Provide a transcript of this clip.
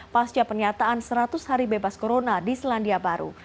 pasca pernyataan seratus hari bebas corona di selandia baru